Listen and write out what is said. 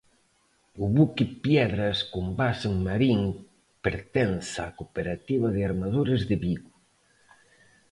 O buque Piedras con base en Marín pertence a cooperativa de armadores de Vigo.